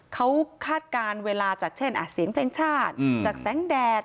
เขาคาดการณ์เวลาจากเช่นเสียงเพลงชาติจากแสงแดด